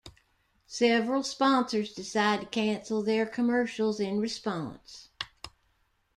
Several sponsors decided to cancel their commercials in response.